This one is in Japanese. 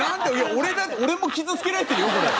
俺だって俺も傷つけられてるよこれ。